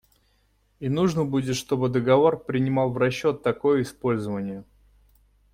И нужно будет, чтобы договор принимал в расчет такое использование.